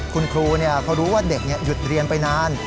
คุณครูเขารู้ว่าเด็กหยุดเรียนไปนาน